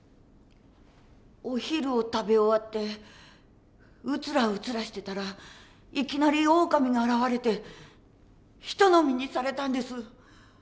お昼を食べ終わってウツラウツラしてたらいきなりオオカミが現れてひと呑みにされたんです。